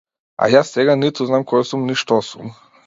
А јас сега ниту знам кој сум ни што сум.